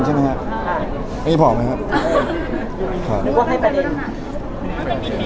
ค่ะเนี้ยผมนะครับ